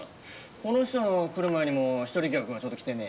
この人が来る前にも一人客がちょうど来てね。